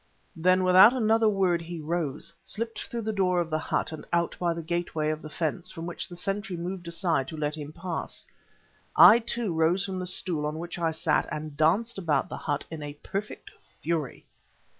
Then without another word he rose, slipped through the door of the hut and out by the gateway of the fence from which the sentry moved aside to let him pass. I, too, rose from the stool on which I sat and danced about the hut in a perfect fury.